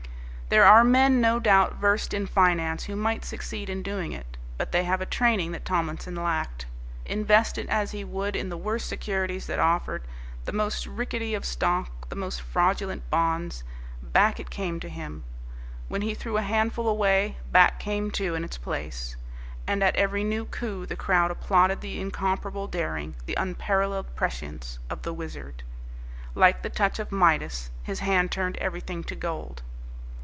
There are men, no doubt, versed in finance, who might succeed in doing it. But they have a training that Tomlinson lacked. Invest it as he would in the worst securities that offered, the most rickety of stock, the most fraudulent bonds, back it came to him. When he threw a handful away, back came two in its place. And at every new coup the crowd applauded the incomparable daring, the unparalleled prescience of the Wizard. Like the touch of Midas, his hand turned everything to gold.